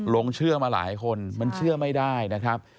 ลงเชื่อมาหลายคนมันเชื่อไม่ได้นะครับ